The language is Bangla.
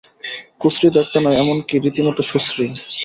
কুশ্রী দেখতে নয়, এমন-কি, রীতিমত সুশ্রীই।